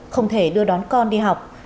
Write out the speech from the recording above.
không thể đưa đón con đi học